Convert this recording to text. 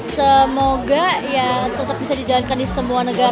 semoga ya tetap bisa dijalankan di semua negara